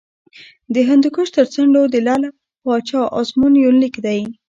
د هندوکش تر څنډو د لعل پاچا ازمون یونلیک دی